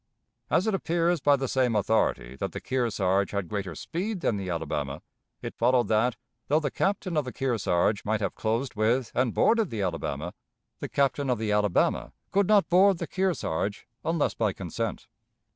As it appears by the same authority that the Kearsarge had greater speed than the Alabama, it followed that, though the Captain of the Kearsarge might have closed with and boarded the Alabama, the Captain of the Alabama could not board the Kearsarge, unless by consent.